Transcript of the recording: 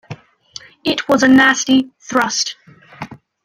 It was a nasty thrust.